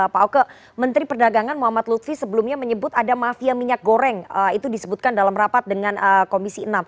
pak oke menteri perdagangan muhammad lutfi sebelumnya menyebut ada mafia minyak goreng itu disebutkan dalam rapat dengan komisi enam